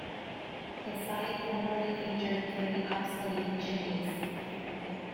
The site formerly featured three obsolete chimneys.